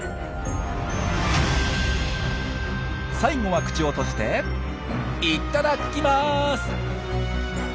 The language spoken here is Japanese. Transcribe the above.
最後は口を閉じていただきます！